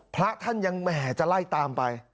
พระท่านยังแหมจะไล่ตามไป